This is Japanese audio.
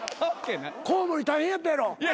コウモリ大変やったやろ？